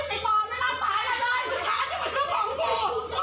กลับมาพร้อมขอบความ